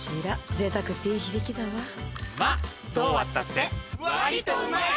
贅沢っていい響きだわまどう割ったって割とうまい！！